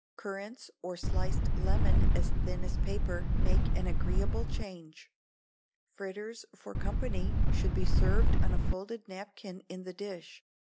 Currants, or sliced lemon as thin as paper, make an agreeable change. Fritters for company should be served on a folded napkin in the dish.